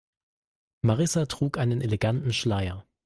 Marissa trug einen eleganten Schleier.